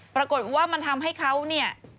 ปรากฏว่ามันทำให้เขาเนี่ย